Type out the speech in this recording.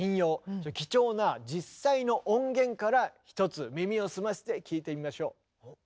貴重な実際の音源から一つ耳を澄ませて聴いてみましょう。